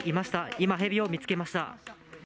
今、ヘビを見つけました。